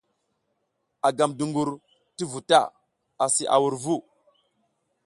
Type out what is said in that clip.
A gam dungur ti vu ta asi a wur vu.